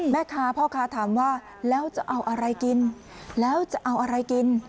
แม่ค้าพ่อค้าถามว่าแล้วจะเอาอะไรกินแล้วจะเอาอะไรกิน